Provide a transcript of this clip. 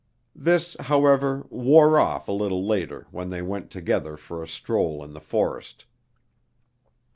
This, however, wore off a little later when they went together for a stroll in the forest.